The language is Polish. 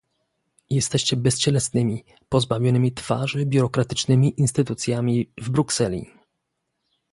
Jesteście bezcielesnymi, pozbawionymi twarzy biurokratycznymi instytucjami w Brukseli